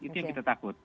itu yang kita takut